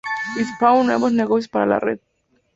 Spawn nuevos negocios para la red.